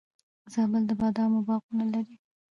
زابل د بادامو باغونه لري